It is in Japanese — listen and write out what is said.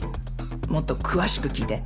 もっと詳しく聞いて。